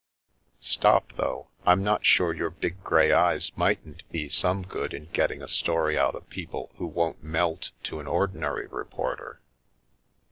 Stop, though, I'm not sure your big grey eyes mightn't be some good in getting a ' story ' out of people who won't melt to an ordinary reporter."